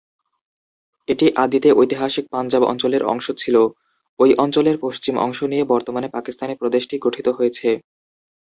এটি আদিতে ঐতিহাসিক পাঞ্জাব অঞ্চলের অংশ ছিল; ঐ অঞ্চলের পশ্চিম অংশ নিয়ে বর্তমান পাকিস্তানি প্রদেশটি গঠিত হয়েছে।